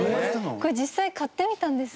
これ実際買ってみたんです。